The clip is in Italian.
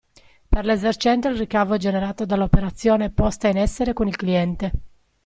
Per l'esercente il ricavo è generato dall'operazione posta in essere con il cliente.